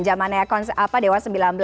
jamannya konser apa dewa sembilan belas